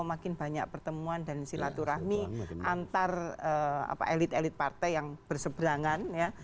kalau makin banyak pertemuan dan silaturahmi antar apa elit elit partai yang bersebrangannya